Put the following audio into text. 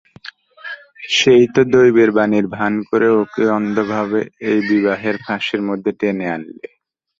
সেই তো দৈবের বাণীর ভান করে ওকে অন্ধভাবে এই বিবাহের ফাঁসের মধ্যে টেনে আনলে।